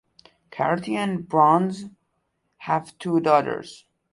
Carty and Burns have two daughters.